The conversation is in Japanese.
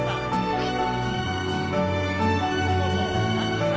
はい。